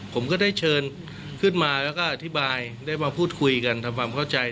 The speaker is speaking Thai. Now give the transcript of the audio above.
ผมก็ได้เชิญขึ้นมาแล้วก็อธิบายได้มาพูดคุยกันทำความเข้าใจ